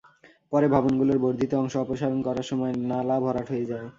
পরে ভবনগুলোর বর্ধিত অংশ অপসারণ করার সময় নালা ভরাট হয়ে যায়।